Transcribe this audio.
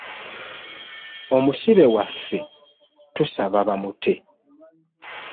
Omusibe waffe tusaba bamute.